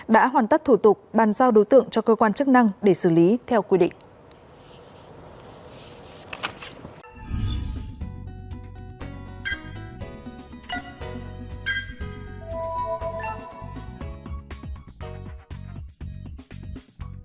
đã hoàn tất thủ tục bàn giao đối tượng cho cơ quan chức năng để xử lý theo quy định